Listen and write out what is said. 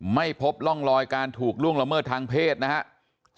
ไม่พบร่องรอยการถูกล่วงละเมิดทางเพศนะครับ